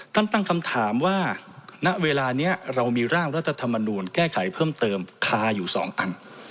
ตั้งคำถามว่าณเวลานี้เรามีร่างรัฐธรรมนูลแก้ไขเพิ่มเติมคาอยู่๒อัน